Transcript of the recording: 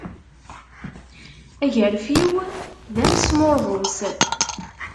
Agarfiw d amesmurḍus.